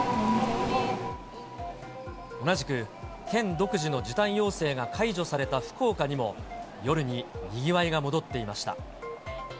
同じく、県独自の時短要請が解除された福岡にも、夜ににぎわいが戻っていました。